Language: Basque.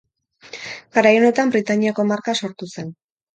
Garai honetan Bretainiako marka sortu zen.